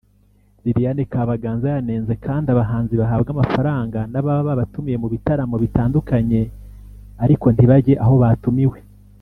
Liliane Kabaganza yanenze kandi abahanzi bahabwa amafaranga n’ababa babatumiye mu bitaramo bitandukanye ariko ntibajye aho batumiwe